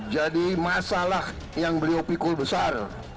jadi masalah yang beliau pikul besar